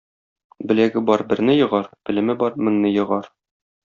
Беләге бар берне егар, белеме бар меңне егар.